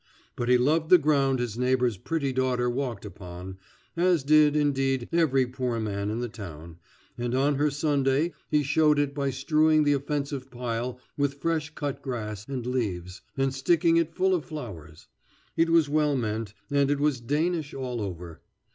But he loved the ground his neighbor's pretty daughter walked upon, as did, indeed, every poor man in the town, and on her Sunday he showed it by strewing the offensive pile with fresh cut grass and leaves, and sticking it full of flowers. It was well meant, and it was Danish all over.